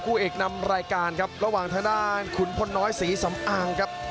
คู่เอกนำรายการครับระหว่างทางด้านขุนพลน้อยศรีสำอางครับ